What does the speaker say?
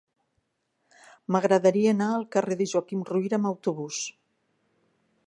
M'agradaria anar al carrer de Joaquim Ruyra amb autobús.